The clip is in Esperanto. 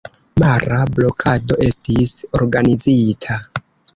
Mara blokado estis organizita.